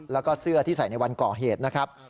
แล้วก็เสื้อที่ใส่ในวันก่อเหตุนะครับ